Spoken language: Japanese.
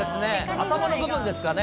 この部分ですかね。